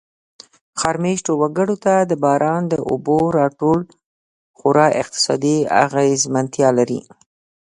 ښار مېشتو وګړو ته د باران د اوبو را ټول خورا اقتصادي اغېزمنتیا لري.